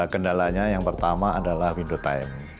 kendalanya yang pertama adalah window time